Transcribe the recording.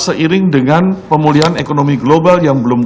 seiring dengan pemulihan ekonomi global yang belum